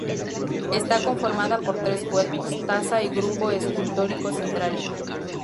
Está conformada por tres cuerpos, tasa y grupo escultórico central.